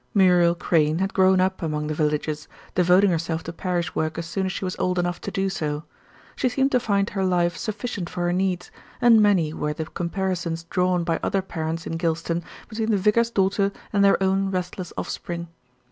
Muriel Crayne had grown up among the villagers, devoting herself to parish work as soon as she was old enough to do so. She seemed to find her life sufficient for her needs, and many were the comparisons drawn by other parents in Gylston between the vicar's daughter and their own restless offspring.